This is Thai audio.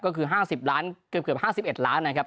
ก็คือ๕๐ล้านเกือบ๕๑ล้านนะครับ